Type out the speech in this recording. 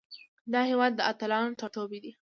دا هیواد د اتلانو ټاټوبی ده.